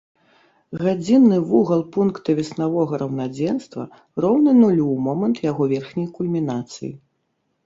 Гадзінны вугал пункта веснавога раўнадзенства роўны нулю ў момант яго верхняй кульмінацыі.